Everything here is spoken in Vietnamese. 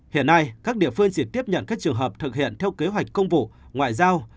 hiện nay các địa phương chỉ tiếp nhận các trường hợp thực hiện theo kế hoạch công vụ ngoại giao